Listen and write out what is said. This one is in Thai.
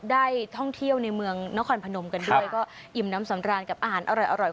ได้ท่องเที่ยวในเมืองนครพนมกันด้วยก็อิ่มน้ำสำราญกับอาหารอร่อย